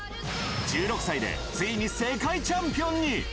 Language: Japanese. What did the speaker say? １６歳で、ついに世界チャンピオンに。